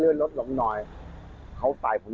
คืนนี้เหรอครับผม